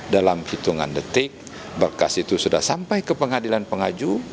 dalam hitungan detik berkas itu sudah sampai ke pengadilan pengaju